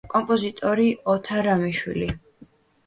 კომპოზიტორი ოთარ რამიშვილი.